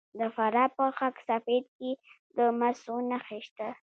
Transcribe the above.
د فراه په خاک سفید کې د مسو نښې شته.